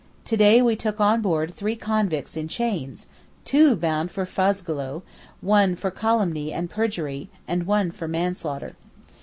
To day we took on board three convicts in chains, two bound for Fazogloo, one for calumny and perjury, and one for manslaughter.